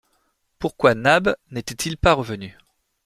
Pourquoi Nab n’était-il pas revenu